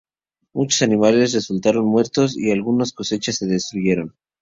Muchos animales resultaron muertos, y algunas cosechas se destruyeron.